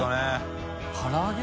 唐揚げ？